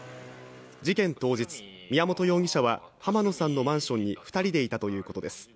事件当日、宮本容疑者は濱野さんのマンションに２人でいたということです。